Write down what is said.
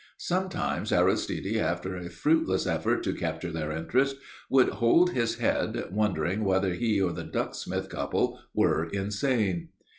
Sometimes Aristide, after a fruitless effort to capture their interest, would hold his head, wondering whether he or the Ducksmith couple were insane.